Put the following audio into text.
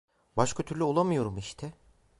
Başka türlü olamıyorum işte!